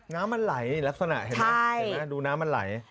น้ำมันไหลลักษณะเห็นไหมดูน้ำมันไหลใช่